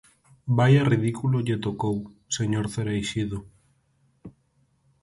¡Vaia ridículo lle tocou, señor Cereixido!